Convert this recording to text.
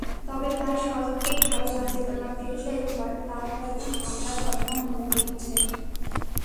তবে তাঁর স্বজনদের ধারণা, চেতনা ফিরলেই তাঁর হয়তো হামলার ঘটনা মনে পড়ছে।